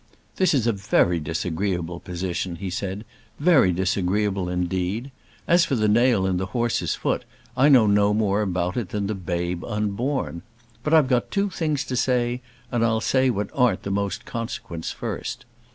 "This is a very disagreeable position," he said, "very disagreeable indeed. As for the nail in the horse's foot I know no more about it than the babe unborn. But I've got two things to say, and I'll say what aren't the most consequence first.